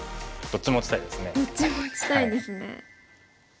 どっちも打ちたいですね。